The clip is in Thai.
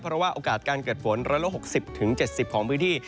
เพราะว่าโอกาสการเกิดฝน๑๖๐๗๐ของพื้นที่